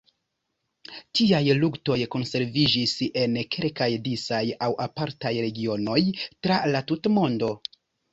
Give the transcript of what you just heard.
Tiaj luktoj konserviĝis en kelkaj disaj aŭ apartaj regionoj tra la tuta mondo.